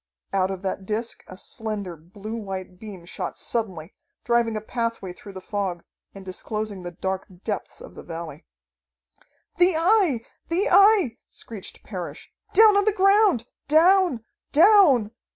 Out of that disc a slender, blue white beam shot suddenly, driving a pathway through the fog, and disclosing the dark depths of the valley. "The Eye! The Eye!" screeched Parrish. "Down on the ground! Down! Down!"